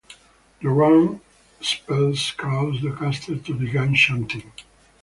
The rune spells cause the caster to begin chanting.